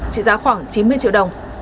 trị giá khoảng chín mươi triệu đồng